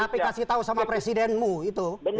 tapi kasih tahu sama presidenmu itu